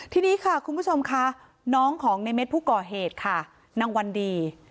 ทีนี้ค่ะคุณผู้ชมค่ะน้องของในเม็ดผู้ก่อเหตุค่ะนางวันดี